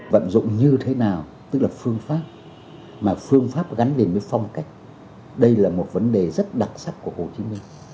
vận dụng như thế nào tức là phương pháp mà phương pháp gắn liền với phong cách đây là một vấn đề rất đặc sắc của hồ chí minh